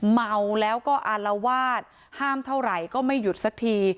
เมาแล้วก็อารวาสห้ามเท่าไหร่ก็ไม่หยุดสักที